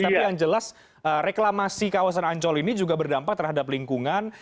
tapi yang jelas reklamasi kawasan ancol ini juga berdampak terhadap lingkungan